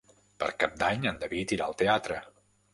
Per Cap d'Any en David irà al teatre.